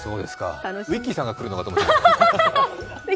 ウィッキーさんが来るのかと思った。